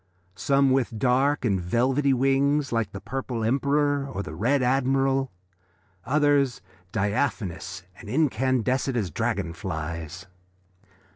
Some with dark and velvety wings like the Purple Emperor, or the Red Admiral, others diaphanous and iridescent as dragon flies.